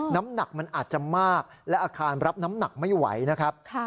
น้ำหนักมันอาจจะมากและอาคารรับน้ำหนักไม่ไหวนะครับ